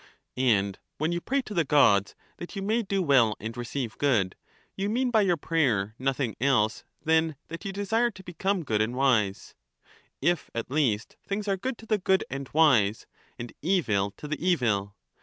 And when you pray to the Gods that you may do well and receive good, you mean by your prayer nothing else than that you desire to become good and wise: — if, at least, things are good to the good and wise and evil to the evil.